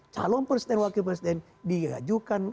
calon presiden wakil presiden diajukan